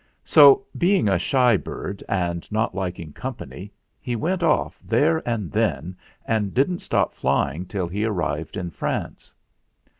So, being a shy bird and not liking company, he went off there and then and didn't stop flying till he ar rived in France.